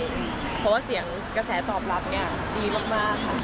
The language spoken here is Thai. เพราะว่าเสียงกระแสตอบรับเนี่ยดีมากค่ะ